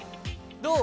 どう？